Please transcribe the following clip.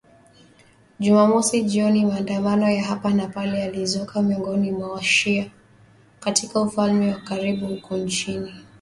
Jumamosi jioni maandamano ya hapa na pale yalizuka miongoni mwa washia katika ufalme wa karibu huko nchini Bahrain, kuhusiana na mauaji hayo ya watu wengi